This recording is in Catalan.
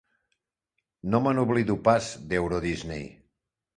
No me n'oblido pas, d'Eurodisney.